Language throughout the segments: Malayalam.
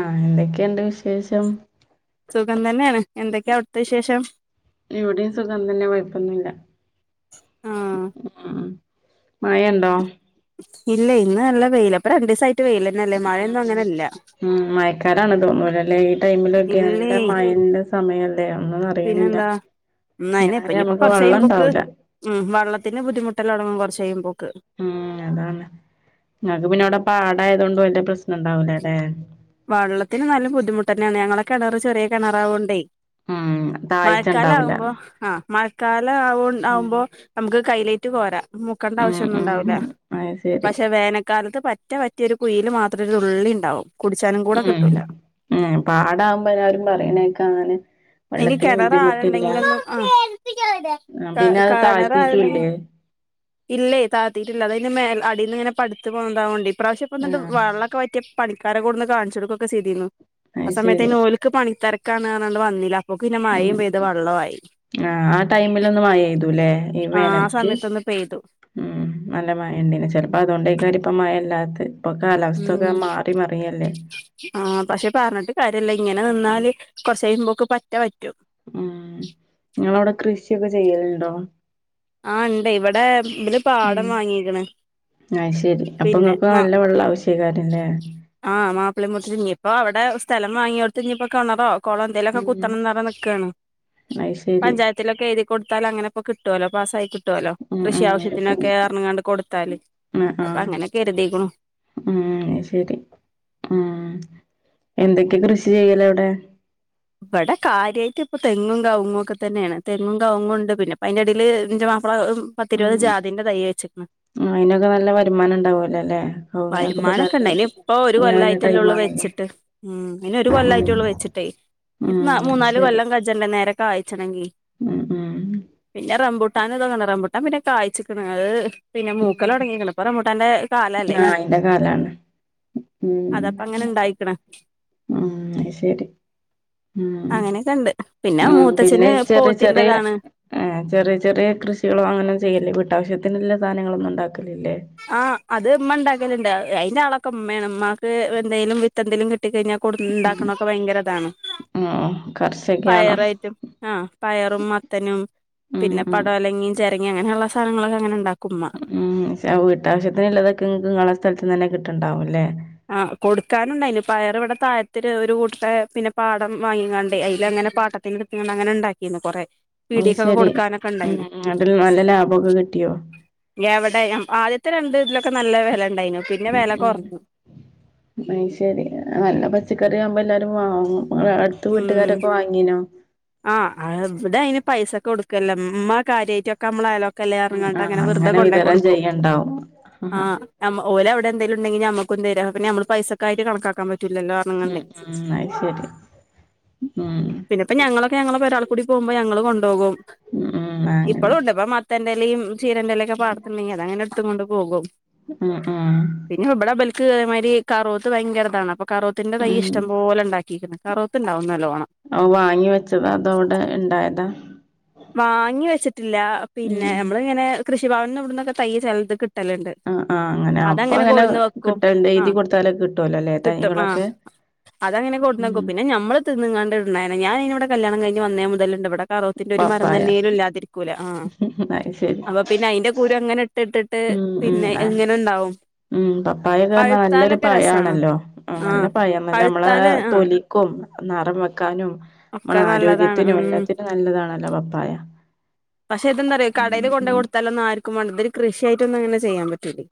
ആ എന്തൊക്കെയണ്ട് വിശേഷം സുഖം തന്നെയാണ് എന്തൊക്കെയാ അവിടുത്ത വിശേഷം എവിടെയും സുഖം തന്നെ കൊയ പ്പൊന്നുമല്ല ആഹ് മഴ ഉണ്ടോ ഇല്ല ഇന്ന് നല്ല വെയിൽ അപ്പ രണ്ട ദിവസ ഉ ഉ മായക്കാരാണ്ന്ന്‌ തോന്നലല്ലേ ഈ ടൈമിലൊക്കെ ഇല്ലേ മഴ സമയം അറിയണില്ല ഉ് അയിന് ഇപ്പ ഇങ്ങനായാ ഇനിയിപ്പൊ നമുക്ക് വെള്ളം കൊറച്ചായും പൊക്ക് ഉണ്ടാവൂല ഉം വെള്ളത്തിന് ബുദ്ധിമുട്ടല്ല തു ടങ്ങും കുറച്ച ഉം അതാണ് ങ്ങക്ക് പിന്നെ അവിടെ പാടായത കൊണ്ട് വലിയ പ്രശ്നം ഉണ്ടാവൂലേ അല്ലെ വെള്ളത്തിന് നല്ല ബുദ്ധിമുട്ട് തന്നെയാണ് ഞങ്ങളെ കിണർ ചെറിയ കിണറാവണ്ടേ ആ മഴക്കാല ആവുമ്പോ ആഹ മഴക്കാല ആ ഉം ആവുമ്പോ നമുക്ക് കയ്യിലേ പോരാ മുക്കണ്ട ഉം ആവശ്യം ഒന്നും ഉം ഉണ്ടാവൂല്ല അത് ശരി പക്ഷെ വേനൽക്കാലത്ത് പറ്റ റ്റിയൊരു കുയില് മാത്രമം ഒരുതുള്ളി ഉണ്ടാവും കുടിച്ചാനും കൂടെ ഉം കിട്ടൂല ഉ പാടാവുമ്പോ എല്ലാരും പറയണേക്കെ അങ്ങനെ ഇനി വെള്ളത്തിന് ബുദ്ധിമുട്ടില്ല കിണറആഴേണ്ടെങ്കിലൊന്നും ആ ആ പിന്നെ അത് കിണറ ആണ്ടെങ്കിൽ താഴ്ത്തിട്ടുംല്ലേ ഇല്ലേ താത്തിട്ടില്ല അത് ഇനി അടി ഇന്ന്ങ്ങനെ പഠിു പോതുകൊണ്ട് ഇ പ്രാവശ്യം ആഹ് വെള്ളൊക്കെ പറ്റിയ പണിക്കാര കൂടുന്ന് കാണിച്ച കൊടുക്കുകൊക്കെ ചെയ്തിുന്നു ആ അത് സമയത്ത് ശരി നോലക്ക് പണിത്തരകാന്നവന്നില്ല ഉ ആഹ ആ ടൈമിലൊന്ന് മഴ്തുല്ലേ ആ വേനൽക്ക് സമയത്തൊന്ന് പെയ്തു ഉ നല്ല മഴ അതുകൊണ്ടേക്ക എല്ലാത്ത ഇപ്പൊ കാലാവസ്ഥൊക്കെ ഉം മാറി മറിയല്ലേ ആ പക്ഷെ പറഞ്ഞിട്ട് കാര്യമല്ല ഇങ്ങനെ നിന്നാല് കുറച്ച കഴിയുമ്പോക്ക് പറ്റ പറ്റ ഉം നിങ്ങളവിടെ കൃഷിയൊക്കെ ചെയ്യലുണ്ടോ ആഹ ഉണ്ട് ഇവിടെ ഇര് പാടം വാങ്ങിക്കണ് ആ ശരി അപ്പം നിങ്ങൾക്ക് നല്ല വെള്ളം ആവശ്യക്കാാരില്ലേ ആഹ് മാപ്പിളി മു [unintelligible] ഞ്ഞ്യേ ഇപ്പൊ അവടെ സ്ഥലം വാങ്ങ്യോട്ഞ്ഞ്പ്പം കെണറാ കൊളം എന്തേലൊക്കെ ഉം കുത്തണം എന്ന് പറഞ്ഞ് നിക്കാണ് അത് ശരി പഞ്ചായത്തിലൊക്കെ എഴുതികൊടുത്താൽ അങ്ങനോക്കെ കിട്ട്വോലൊ പാസ്സായിട്ട് കിട്ടോല്ലോ ഉം കൃഷി ഉം കിട്ടും കിട്ടും ആവശ്യത്തിനൊക്കയർഞ്ഞ് കാണ്ട് കൊടുത്താല് ആഹ് അപ്പൊ ആഹ് അങ്ങനെ കെര്തീക്ക്ണു ഉം അത് ശെരി ആ എന്തൊക്കെ കൃഷി ചെയ്യല് അവടെ ഇവടെ കാര്യായിട്ട് ഇപ്പൊ തെങ്ങും കവുങ്ങും ഒക്കെത്തെന്നെണ് തെങ്ങും കവുങ്ങും ണ്ട് പിന്നെ അതിന്റെടേല് ന്റെ മാ പത്തിരുപത് ഉം ജാതിന്റെ തൈ വെച്ചിക്ക്ണ് ആ അയ്നൊക്കെ നല്ല വരുമാനം ണ്ടാവുല്ലോ ലെ ഓ അയ്നൊക്കെ വരുമാനൊക്കെ നല്ല ടൈമാണല്ലോ ട്ട് ഉം പിന്നെ ഒരു കൊല്ലായിട്ടുള്ളൂ വെച്ച്ട്ടേ ഉം അത് മൂന്നാല് ശരി കൊല്ലം കജ്ജണ്ടേ നേരെ കായിച്ചണെങ്കി ഉം ഉം പിന്നെ റമ്പൂ മ്പൂട്ടാതൊക്കെണ്ട് റംബൂട്ടാൻ പിന്നെ കായ്ച്ച്ക്ക്ണ് അത് പിന്നെ ഉം മൂക്കലൊടങ്ങീക്ക്ണ് ഇപ്പം റംമ്പൂട്ടാന്റെ ആ കാലല്ലേ അയിന്റെ കാലാണ് ഉം അതപ്പങ്ങനെ ഇണ്ടായിക്ക്ണ് ഉം അയ് ശെരി അങ്ങനൊക്കെണ്ട് പിന്നെ മൂത്തച്ഛന് പോത്തിന്റതാണ് ഏ ചെറിയ ചെറിയ കൃഷികളും അങ്ങനൊന്നും ചെയ്യല്ലേ വീട്ടാവശ്യത്തിനുള്ള സാധനങ്ങളൊന്നും ണ്ടാക്ക ആ അത് ഉമ്മ ണ്ടാക്കല്ണ്ട് അയ്ന്റെ ആളൊക്കെ മ്മേണ് മ്മാക്ക് എന്തേലും വിത്തെന്തേലും കിട്ട കിട്ടി കഴിഞ്ഞാ കൊട് ഉം ണ്ടാക്കണൊക്കെ ഭയങ്കര താണ് ആ കർഷകയാണോ പയറായിട്ടും ആ പയറും മത്തനും ഉം പിന്നെ ഉം പടവലങ്ങിയും ചെ ട്ടങ്ങേ അങ്ങനെള്ള സാനങ്ങളൊക്കങ്ങനെ ണ്ടാ ഉം ശെ വീട്ടാവശ്യത്തിന് ഇല്ലതൊക്കെ ഇങ്ങക്ക് ഇങ്ങളെ സ്ഥലത്ത് ന്നെന്നെ കിട്ട്ണ്ടാവുംല്ലേ ആ കൊടുക്കാനുണ്ടായിന് പയർ ഇവടെ തായത്തൊരു ഒരു കൂട്ടരെ പിന്നെ പാ ട്ടം വാങ്ങിങ്ങാണ്ട് അയിലങ്ങനെ പാട്ടത്തിന് ഇട്ത്ത്ങ്ങാണ്ട് അങ്ങനെ ണ്ടാക്കീന്നു കൊറെ അ പീടിയേക്കൊക്കെ ശരി കൊടുക്കാനൊക്കെ ഉ ഇണ്ടായിന് അതിൽ നല്ല ലാഭമൊക്കെ കിട്ടിയോ എവിടെ ആദ്യത്തെ രണ്ട് ഇതിലൊക്കെ നല്ല വില ഉ ഉ അ ശരി നല്ല പച്ചക്കറ ആവുമ്പോ എല്ലാരും വാങ്ങും ഇങ്ങളെ അടുത്ത ഉം വീട്ടുകാരൊക്കെ വാങ്ങീനോ ആഹ അ ഇവിടെ അതിന് പൈസൊക്കെ കൊടുക്ക ഒമ്മ ആ കാര്യമായിട്ടൊക്കെ നമ്മള കല്യാണങ്ങാട്ട് ആഹ് അങ്ങനെ വെറുതെ കൊണ്ടോ വിതരണം കൊടുക്കും ചെയ്യണ്ടാവും ആ ആഹ് ഓല അവിടെ എന്തെും ണ്ടെങ്കി നമ്മക്ക പിെ നമ്മ പൈസക്ക ആായിട്ട് കണക്കാക്കൻ പറ്റൂല്ലോ ഉം അങ്ങണ്ടെിൽ ഉം അത് ശരി ഉം പിന്നെ ഇപ്പ ഞങ്ങളൊക്കെ ഞങ്ങള ഒരാൾ കൂടി പോകുമ്പോൾ ഞങ്ങള്ൾ കൊണ്ടുപോകും ഉ ഉ ആ അങ്ങനെ തന്റെറേും ചീരന്റെറേ ഒക്കെ പാർത്തുണ്ടെങ്ക അങ്ങനെ അടുത്ത കൊണ്ട് പോകും ആ ആഹ കതിരി കറുവത്ത് ഭയങ്കരതാണ് അപ്പൊ കറുത്തിന്റെ തൈ്യ ഉം ഇഷ്ടം പോലെ ഉണ്ടാക്കിയിരിക്കുന്നത് കറുവത്ത് ഉണ്ടാവുംന്ന നല്ലോണം ആ വാങ്ങി വെച്ചതാ അതോടെ ഉണ്ടായതാ വാങ്ങി വെച്ചിട്ടില്ല പിന്നെ നമ്മളിങ്ങനെ കൃഷിഭവന ഇവിടന്നൊക്കെ തയ്യ ചിലത് കിട്ട കിട്ടലുണ്ട് ആഹ് ആഹ് അങ്ങനെ അപ്പൊ അതങ്ങനെ അങ്ങനെ കൊടുന്ന് വെക്കും കിട്ടലുണ്ട് ആ എഴുതി കൊടുത്താലൊക്കെ കിട്ടുവല്ലോ അല്ലേ കിട്ടും ആഹ തൈകളൊക്കെ അതങ്ങനെ കൊടുന്നോക്ക ഉം പിന്നെ നമ്മള് തിന്നാണ്ട ഞാാന ഇവി കല്യാണം കഴി വന്നേ മുതലുണ്ട് ഇവിടെ കറവത്തിന്റെ ഒരു മരം പപ്പായ തന്നേലും ഇല്ലാതിരിക്കൂല്ല ആഹ അത് ശരി അപ്പൊ പിന്നെ അയിന്റെ കൂര അങ്ങനെ ഇട്ട് ഇട്ടിട്ട് ഉം ഉം പിന്നെ ആ എങ്ങനെുണ്ടാവും ഉം പപ്പായൊ കാരഞ്ഞാൽ നല്ലൊരു പഴ ആണല്ലോ ആ നല്ല ആഹ് പഴന്നല്ല നമ്മളെ പഴുത്താല് ആഹ് തൊലിക്കും നിറം വെക്കാനും നമ്മള ഒക്കെ നല്ലതാണ് ഉം ആരോഗ്യത്തിനും എല്ലാത്തിനും നല്ലതാണല്ലോ പപ്പായ പക്ഷെ ഇതന്താറയാ ഉം കടയിൽ കൊണ്ട ഉം കൊടുത്താലൊന്നും ആും ൊരു കൃഷിയായിട്ട ഒന്നും അങ്ങനെ ചെയ്യാൻ പറ്റില്ലേ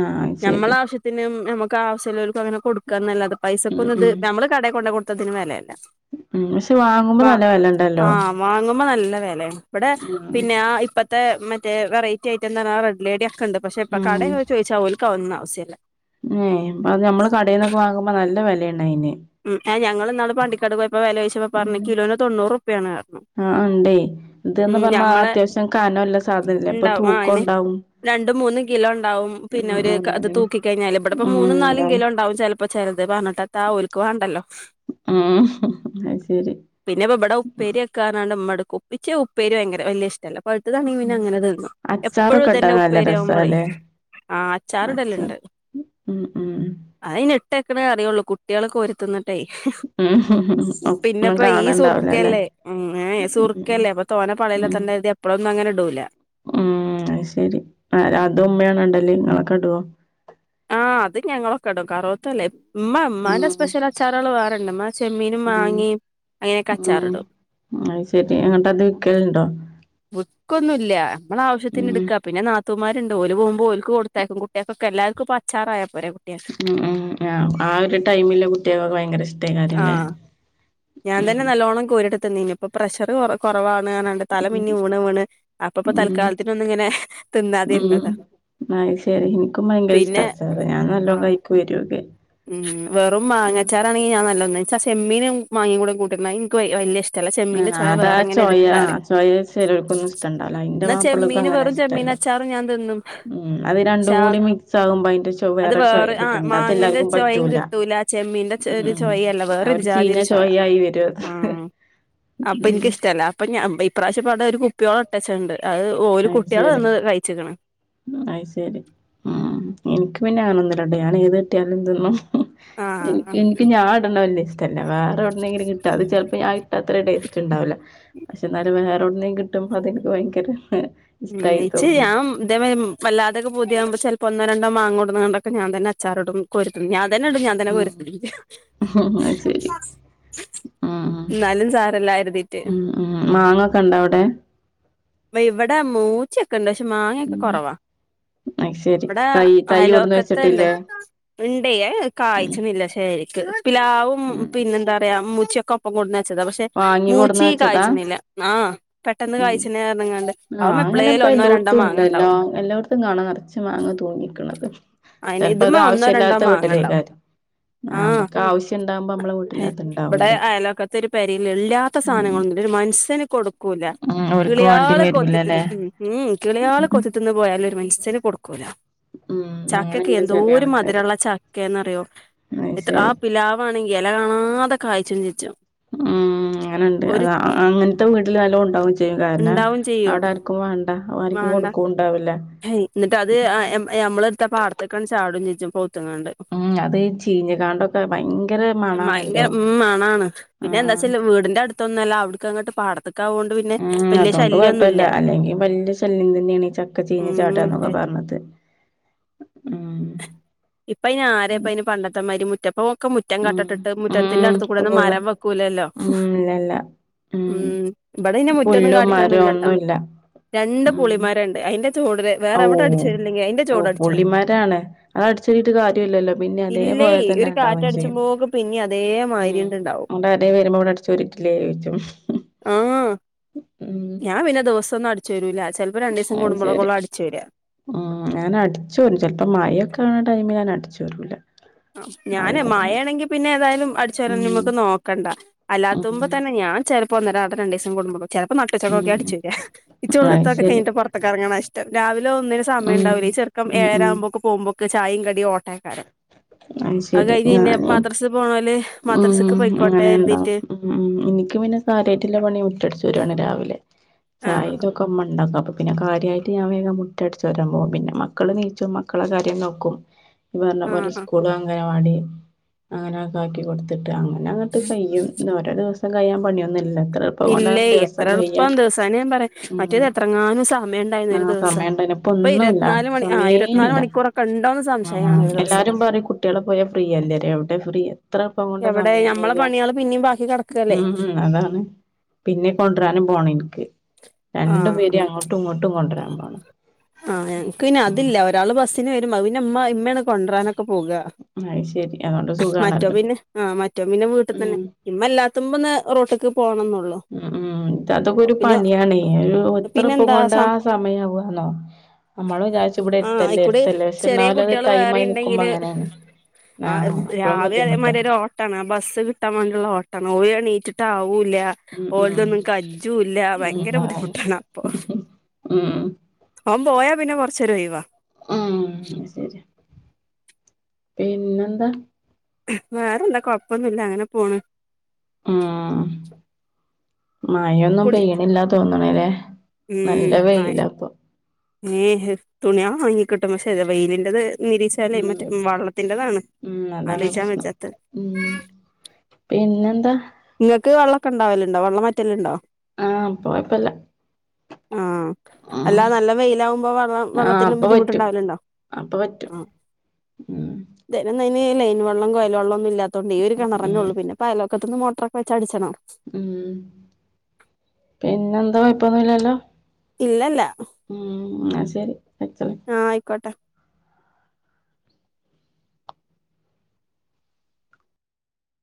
ആഹ് നമ്മള ശരി ആവശ്യത്തിനന് നമുക്ക് ആവശ്യമല്ലർക്കും അങ്ങെ കൊടുക്കുകന്നല്ല അത് പൈസക്ക ഉം ഒന്ന ഇത് ഉം നമ്മള് കട കൊണ്ട കൊടുത്തതിന് വിലയല്ല ഉം പക്ഷെ വാങ്ങുമ്പോ നല്ല വെലണ്ടല്ലോ ആഹ വാങ്ങുമ്പോ നല്ല വിലയാണ് ഇവിടെ ഉം പിന്നെ ആ ഇപ്പ മറ്റേ വററ്റി ഐറ്റം എന്ത പറഞ്ഞാ റെഡ് ലേഡിയ ഒക്കെണ്ട് പെ ഇ കടയൊെ ചോദിച്ചാൽ പോല ആാവുന്ന ആശ്യമല്ല ഉ അ അത് നമ്മള് കടയിൽന്നൊക്കെ വാങ്ങുമ്പോ നല്ല വിലയുണ്ട അതിന് ഉം ഞങ്ങൾ എന്നാള് പണ്ടിക്കട് പോയപ്പോ വില കിച്ച പറഞ്ഞ കിലോനന് തൊണ്ണൂറ്ുപയാണ് കാരണം ആഹ ഉണ്ടേ ഇതന്ന് പറഞ്ഞാ അത്യാവശ്യം കാനംല്ല സാധനല്ല ഇപ്പൊ ഇണ്ടാവും ആഹ് തൂക്കം അയന്നെ ഉണ്ടാവും രണ്ടും മൂന്നും കിലോ ഉണ്ടാവും പിന്നെ ഉം ഒരു അത് അതന്നെ തൂക്ക കഴിഞ്ഞാൽ ഇവിടെപ്പോ മൂന്നും നാലും കിലോ ഉണ്ടാവും ചിലപ്പോ ഇപ്പൊ ചെറത് പറഞ്ഞിട്ട് ത ആ അവലക്ക് വേണ്ടല്ലോ ഉം അത് ശരി പിന്നെപ്പോ ഇവിടെ ഉപ്പേരിയൊക്കൊനാണ്ട് മടു കുപ്പിച്ച് ഉപ്പേര് ഭയങ്കര വല ഇഷ്ടല്ലോ പഴു കണങ്ങി പിന്നെ ഉം അങ്ങനെ തീർന്നു എപ്പോഴും അച്ചാറൊക്കെ ഇട്ടാ ഇതന്നെ നല്ല ഉപ്പേരിയാക പറയും രസാല്ലേ ആഹ അച്ചാർ അച്ചാ ഇടല്ലുണ്ട് ഉം ഉം ഉ ക്കണേ അറിയുള്ളൂ കുട്ടികളൊെ രുത്തുന്നിട്ടേ ഉം ഒന്നും പിന്നെപ്പ ഈ കാണണ്ടാവൂലല്ലേ സുർുക്കല്ലേ ഉം സുർുക്കല്ലേ അപ്പൊ തോന പളല്ല ഉം തന്നെരുതി എപ്പഴൊന്നും അങ്ങനെ ഇടൂല ഉം ശെരി ആ അത ഉമ്മയാണ് ഉണ്ടല്ലേ ഇങ്ങളൊക്കെ ഇടുവോ ആഹ് അത് ഞങ്ങളൊക്കെ ഇടും കറോത്തല്ലേ ഉമ്മ ഉ്മാന്റെ ഉം സ്പെഷ്യൽ അച്ചാറുകൾ വേറണ്ട് ചെമ്മീനും വാങ്ങി അങ്ങനെക്കെ അച്ചാറി ഇടും അ ശെരി അങ്ങട്ട് അത് വിക്കലുണ്ടോ ബുക്കൊന്നും ഇല്ല നമ്മള ആവശ്യത്തിന് ഉം എടുക്കാ പിന്നെ അത്തമാരുണ്ട് ല് പോുമ്പോഓക്ക് കൊടുത്തേക്കും കുട്ടികൾക്കെ എല്ലാവർക്ക ഇപ്പ അച്ചാറ ഉം ഉം ആ ആ ഒരു ടൈമില് കുട്ടികൾക്കൊക്കെ ഭയങ്കര ഇഷ്ടേക്കാാര്ല്ലേ ആഹ് ഞാൻ തന്നെ നല്ലോണ്ണം കോരിടുത്തന്ന ഇനി ഇപ്പൊ പ്രഷർ കൊ കുറവാാണ് ാണ്ട് തലമ ഉം ഇന്ന ഊണ് വീണ് അപ്പ ഇപ്പോൊ ഉം തൽക്കാലത്തിനൊന്ന ഇങ്ങനെ തിന്നാതിരുന്നതോ അ ശരി എനിക്കും ഭയങ്കര ഇഷ്ടാച്ചാറ ഞാൻ നല്ലോ ആഹ് കഴക്ക് വരൂക്കെ ഉം വെറുംങ്ങച്ചാാരാണെങ്ക ഞാ നല്ലതന്നന്ന്മ്മീും മാങ്ങ കൂടി കൂട്ട എനിക്ക് വല ഇഷ്ടം ചെമ്മീന്റെ ആ ചോയ അതാ വേറെങ്ങനെ ചോയ ആ എടുത്താറ ചോയ ചിലർക്കൊന്നും ഇഷ്ടണ്ടാവില്ല എന്റെ എന്നാ മാപ്പിളക്കും ചെമ്മീന് അങ്ങനെ വെറും ചെമ്മീന ഇഷ്ടല്ല ഉം അത് രണ്ടും കൂടി മിക്സ് ആകുമ്പോ അതിന്റെ ചൊ അ വേറൊരു ചൊയ കിട്ടണ്ട് അതെല്ലാർക്കും വ യും പറ്റൂല കിട്ടൂല ചെമ്മീ [unintelligible] ഉം ആ ഒരു ചീഞ്ഞ ചോയായി വരും അത് അപ്പൊ ഉം എനിക്കിഷ്ടമല്ല അപ്പൊ ഇപ്രാവശ്യ പാട ഒരു കുപ്പിയോട് ഇട്ടച്ചത്.. അത് ശരി അത് ശരി. ഇട്ട ഞാ ഏത് കെട്ടിയാലു [unintelligible] ആ [unintelligible] ഇന്ക് ഞാൻടണ വല്ല ഇഷ്ട്ടല്ല വേറെ ഇവിടന്നെങ്കിലും കിട്ടും അത് ചിലപ്പോ ഞാൻിട്ടാ അത്ര ഒരു ടേസ്റ്റ് ഉണ്ടാവില്ല.. പക്ഷെ എന്നാലും വേറെോടന കിട്ടുമ്പോ [unintelligible] ഉ ഇച്ചേ തോന്നും ഞൻ [unintelligible] ഒന്നോ രണ്ടോ മാങ്ങോട്ടുംങ്ങണ്ടൊക്കെ ഞൻ തന്നെ അച്ചാോടും കോരിത്തിന്നും. അ ഉം അത് ശരി. [unintelligible] ഉം. എന്നാലും സാറല്ലാം [unintelligible] ഉം ഉം. മാങ്ങ ഒക്കെ ഉണ്ടോ അവിടെ? ഇവിടെ മൂച്ചിയൊക്കെഇണ്ട് പക്ഷെ മാങ്ങൊക്കെ ഉം. കുറവാ. അത് ശരി. ഇവിടെ തൈ തൈ കൊടന്ന് അയലോക്കത്തണ്ട് വെച്ചിട്ടില്ലേ? ഉണ്ടേ ഉം. കാഴ്ചന്നില്ല ശരിക്ക പിിലാവും ഉം. പിന്നെ എന്താ പറയാ മുൂച്ചയൊക്കെ ഒപ്പം [unintelligible] ത പക്ഷെ വാങ്ങി മൂച്ചി കൊടന്ന് വെച്ചതാ? കാായ്ചണ ഇല്ല ആ പെട്ടെന്ന് കാായ്ചങ്ങാണ്ട്. ആഹ അങ്ങനെ ഇപ്പ എല്ലായിടത്തും ഉണ്ട്ല്ലോ എല്ലായിടത്തും കാണ നിറച്ചു മാങ്ങതൂങ്ങി കാണത്.. അയ്ന് ചിലപ്പോ അത് ഇത്മ്മെ ഒന്നോ ആവശ്യ രണ്ടോ ഇല്ലാത്ത മാങ്ങണ്ടാവും വീട്ടിലേയ്ക്കാരും. ആഹ് നമ്മക്ക് ആവശ്യം ഇണ്ടാവുമ്പോ നമ്മളെ വീട്ടിലത് ഇവിടെ ഇണ്ടാവൂല.. അയലോക്കത്തെ ഒരു ഇല്ലാത്ത സാധനങ്ങളൊന്നും ഒരു മനുഷ്യന് കൊടുക്കൂല്ല ഉം. ഓൽക്ക് വേണ്ടി കിളിയള്. വരൂലല്ലേ? ക്കിളിയള് കൊത്തിത്തുന്ന് പോയാല ഒരു മനുസ്യന് കൊടുക്കൂല. ഉം. അങ്ങനെ ചക്കയക്കെ ഉണ്ട് എന്തോ ചെല ഒരു ആൾക്കാര്. മധുരമുള്ള ചക്ക.. അോ അത് എത്ര ആ ശരി. പിിലാവാണെങ്കി ഇല കാണാതെകയ്ച്ചിക്ക്ന്.. ഉം അങ്ങനെുണ്ട് [unintelligible] കാരണം ഉണ്ടാവും ചെയ്യും അവിടെ ആർക്കും വേണ്ട ആർക്കും കൊടുക്കുംണ്ടാവില്ല. ഹ് എന്നിട്ട്ത് മ്മള എടുത്ത പാടത്തൊക്കെചാട. ങ്ങണ്ട്. [inaudible] ഉം അത് ചീഞ്ഞകാണ്ടൊക്കെ ഭയങ്കര മണാണല്ലോ ഭയങ്കര ഉ മണാണ് പിന്നെ ആഹ് എന്താച്ചാല് വീടിന്റെ.. അടുത്തൊന്നല്ല അവിടക്ക്ങ്ങട്ട് പടത്തൊക്കെ ആകോണ്ട്... ഉ അതുകൊണ്ട് കുഴപ്പില്ല അല്ലെങ്കിൽ വലിയ ശല്യം തന്നെണ് ഈ ചക്ക ചീഞ്ഞ ഉം ചാട്ന്നൊക്കെ പറഞ്ഞത് [unintelligible] ആ ഇപ്പൊ അയിൻ ആരപ്പ പണ്ടത്തമാരി മുറ്റപ്പൊ ഒക്കെ മുറ്റം ഉം കട്ടട്ടിട്ട് മുറ്റത്തിന്റെ ഉം അടുത്ത് കൂടെ ഇപ്പൊ ഒന്ന് ഫുള്ള് മരം വെക്കൂലല്ലോ. ഉം ഇല്ലല്ല ഉം ഇവിടെ ഇെ മുറ്റൊന്നും പുല്ലും മരവും കാട്ടിട്ടൊന്നുംല്ലട്ടോ ഒന്നുല്ല രണ്ട് ഉം പുളിമരണ്ട്. ചോടില് വേറെ ഓ എവിടെ അടിച്ചു വാരില്ലെങ്കിലും അയിന്റെ ഓ ചോട് അടിച്ചു വാരണം പുള്ളിമാരാണ് അത- ചെട്ട് കാര്യല്ലല്ലോ പിന്നെ ഇല്ലേ അതേപോലെ തന്നെ ഒരു ഉണ്ടാവു ചെയ്യും കാറ്റടിച്ചുമ്പോക്ക് പിന്നിം ഉ. അതേമായിരിണ്ട്ണ്ടാവും വരുമ്പോ ഇവിടെ അടിച്ചോറേറ്റില്ലേ ചോച്ചും. ആ ഞാൻപിന്നെ ദിവസം ഒന്നും അടിച്ച് വാര്ല്ല അ ശരി ഉ ഞാൻ അടിച്ചോറും ചിലപ്പോ മായൊക്കെ.. ആടൈമിൽഞൻ അടിച്ചു വരുള്ളൂ. ഞാാന് മഴയാണെങ്കി പിന്നെ ഏതായാലും അടിച്ചര ഉം നമ്മക്ക് നോക്കണ്ട അല്ലാത്തുമ്പോ ഉം തന്നെ.. ആ ചിലപ്പോ..... രണ്ട് ദിവം കടുമ്പോ ചിലപ്പോ ഉം നട്ടുച്ചയ്ക്കൊക്കെ അടിച്ചുരാ.. അത് ശരി ഒന്നും ഉം സമയംണ്ടാല്ലേ ഈ ചേർക്കാൻ ഉം ഏഴര ഉം ആകു പോമ്പോൊക്ക് ചായും കടിയ ഓട്ടേക്കാരൻ ആ ശരി. പോണോല് മദ്രസ്ക്ക് ഉം പൊയ്ക്കോട്ടെ അങ്ങനെ ഉണ്ടാ കരുതീട്ട് ഉ ഉ എനിക്ക് പിന്നെ കാര്യയിട്ടളപ്പണി ന്മുറ്റടച്ച്ു വരുവാണി രാവിലെ... ആഹ് ചായഅതൊക്കെ മ്മുണ്ടാക്കി അപ്പ പിന്നെ കാര്യമായിട്ട് ഞാൻ വേഗം മുറ്റം അടിച്ച് വാരാൻ പോകും പിന്നെ മക്കള് നീച്ചും മക്കളെ കാര്യം നോക്കും. പറഞ്ഞ ആഹ് പോലെ ആഹ് സ്കൂള അങ്കണവാടി അങ്ങനെയൊക്കെ ആക്കും. അ അങ്ങനെ അങ്ങോട്ട് കഴ്യും ഇ ഓരോ ദിവസം കഴ്യാൻ പണിയൊന്നുമല്ല. എത്ര എളുപ്പം ഇല്ലേ കൊണ്ടദിവസം എത്ര കഴിയാ എളുപ്പം ദിവസാന് ഞാൻ പറയാ ഉ മറ്റേത് എത്രങ്ങാനും സമയം ഉണ്ടായിരുന്നു ആ ഒരു ദിവസം സമയണ്ട ഇപ്പൊ പ്പൊന്നുല്ല ഇരുപത്തിനാല് മണി ആ ഇരുപത്തിനാല് സമേല്ല മണിക്കൂറൊക്കെ ഉണ്ടോന്ന് സംശയമാണ് ഒരു ദിവസം എല്ലാരും പറയും കുട്ടി കുട്ടിള് പോയാ ഫ്രീ അല്ലേ എവിടെ ഫ്രീ എത്ര എവിടെ എളുപ്പംകൊണ്ടസമയം ഞമ്മളെ കഴിയ പണികള് പിന്നെയും ബാക്കി കിടക്കല്ലേ ഉം അതാണ് പിന്നെ കൊണ്ടുവരാനും പോണം ഇനിക്ക് രണ്ടു ആഹ് പേര അങ്ങോട്ടും ഇങ്ങോട്ടും കൊണ്ടുവരാൻ പോണം ആ ഞക്ക് പിന്നെ അതില്ല ഒരാള് ബസ്സിന് വരും പിന്നെമ്മമ്മണ് കൊണ്ടരാനൊക്കെ പോക അത് ശരി അതോണ്ട് മറ്റോ സുഖാണല്ലോ പിന്നെ ആ മറ്റോ പിന്നെ വീട്ടിൽ തന്നെ ഉം ഇമ്മ എല്ലാത്തുമ്പ റോട്ടക്ക് ഉ ഉ അതൊക്കെ ഒരു പിന്നെ പണിയാണ് ഒരു എത്രപ്പം പിന്നെന്താ കൊണ്ടാ സം സമയവുവാന്നോ നമ്മള് വിചാരിച്ച ഇവിടെ ആ എരുത്തല്ലേ അയിക്കൂടെ എരുത്തല്ലേ പക്ഷെ ചെറിയ എന്നലും അത് കുട്ടികള് വേറെ ടൈമായി നിക്കുമ്പോ ഉണ്ടെങ്കില് അങ്ങനെയാണ് ആ ആഹ് അപ്പളും രാവില ബുദ്ധിമുട്ടാ അതേമാതിരി ഒരു ഓട്ട ആ ബസ് കിട്ടാൻ വേണ്ടിയുള്ള ഓട്ടാണ് ഒര് വേണീറ്റ് ഉം ഉം ഓലതൊന്നും കജ്ജുംല്ല ഉം ഭയങ്കര അതാണ് ബുദ്ധിമുട്ടാണ് അപ്പൊ ഉം ഓൻ പോയാ പിന്നെ കൊറച്ചരഒയിവ ഉം അത് ശരി പിന്നെന്താ വേറെലന്താ കൊഴപ്പൊന്നുമല്ല അങ്ങനെ പോണ് ആ.. മഴൊന്നും കുടി പെയണില്ലാ തോന്നണല്ലേ നല്ല വെയിലപ്പൊ ഏ തുണിയാള് ഓണങ്ങി കിട്ടും പക്ഷെ വെയിലിൻറത് വിരീച്ചാല ഉം മറ്റേ വെള്ളത്തിന്റെതാണ് ഉം അതാണ് ആലോചിച്ചാൻ പ്രശ്നം വെജാത്ത് ഉം പിന്നെന്താ നിങ്ങൾക്ക് വെള്ളക്കെ ഉണ്ടാവല്ലണ്ടോ വെള്ളം വറ്റലുണ്ടോ ആ പ്പ കുയപ്പല്ല ആ അല്ലാ നല്ല വെയിലകുമ്പോ വ വെള്ളത്തിന് ബുദ്ധിമുട്ടുണ്ടാവലണ്ടോ പ്പറ്റും ദൈനംലൈ വെള്ളം കൊയൽെവെള്ളന്നും ഇല്ലാത്തൊണ്ട് ഈ ഒരു കിണർ ഉം നെഉള്ളു പിന്നെ അയൽപക്കത്ത് നിന്ന് മോട്ടറൊച്ചടിച്ചണം ഉം പിന്നെ എന്താ കുയപ്പൊന്നുല്ലല്ലോ ഇല്ലല്ല ഉ ന്നാ ശരി വെച്ചളി ആഹ് ആയിക്കോട്ടെ